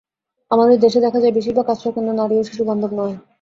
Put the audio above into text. আমাদের দেশে দেখা যায়, বেশির ভাগ আশ্রয়কেন্দ্র নারী ও শিশুবান্ধব নয়।